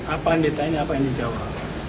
apa yang ditanya apa yang dijawab